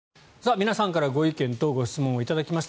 皆さんからご意見とご質問を頂きました。